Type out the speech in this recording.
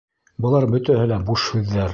Былар бөтәһе лә буш һүҙҙәр!